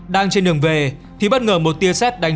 đang trên đường về thì bất ngờ một tia xét đánh